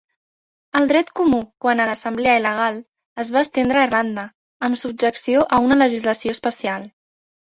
El dret comú quant a l'assemblea il·legal es va estendre a Irlanda, amb subjecció a una legislació especial.